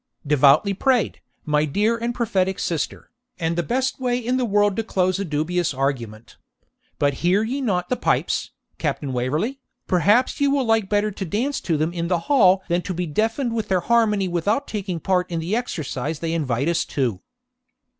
'Devoutly prayed, my dear and prophetic sister, and the best way in the world to close a dubious argument. But hear ye not the pipes, Captain Waverley? Perhaps you will like better to dance to them in the hall than to be deafened with their harmony without taking part in the exercise they invite us to.'